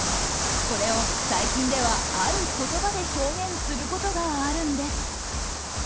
これを最近ではある言葉で表現することがあるんです。